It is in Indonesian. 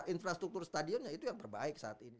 infrastruktur stadionnya itu yang perbaik saat ini